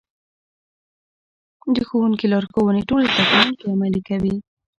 د ښوونکي لارښوونې ټول زده کوونکي عملي کوي.